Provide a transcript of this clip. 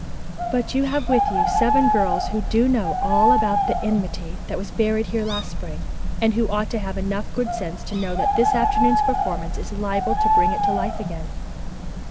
But you have with you seven girls who do know all about the enmity that was buried here last spring, and who ought to have enough good sense to know that this afternoon's performance is liable to bring it to life again.